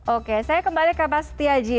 oke saya kembali ke mas setiaji